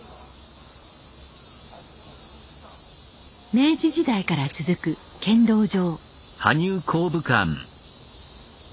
明治時代から続く剣道場。